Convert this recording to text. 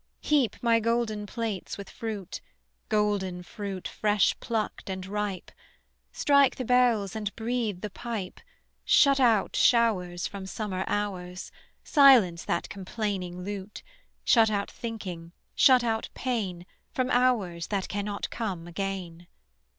Heap my golden plates with fruit, Golden fruit, fresh plucked and ripe; Strike the bells and breathe the pipe; Shut out showers from summer hours; Silence that complaining lute; Shut out thinking, shut out pain, From hours that cannot come again.